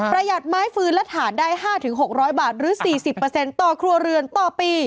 หัดไม้ฟืนและฐานได้๕๖๐๐บาทหรือ๔๐ต่อครัวเรือนต่อปี